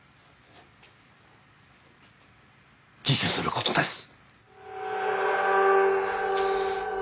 自首する事です。